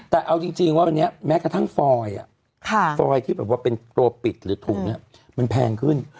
แต่เอาจริงว่าแม้กระทั่งฟอยด์ที่เป็นตัวปิดหรือถุงมันแพงขึ้น